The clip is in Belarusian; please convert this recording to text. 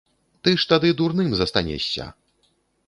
Ты ж тады дурным застанешся.